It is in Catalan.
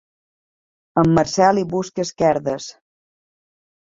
El Marcel hi busca esquerdes.